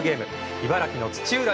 茨城・土浦